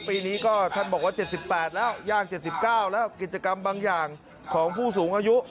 ปีนี้ก็ท่านบอกว่า๗๘แล้วย่าง๗๙แล้วกิจกรรมบางอย่างของผู้สูงอายุ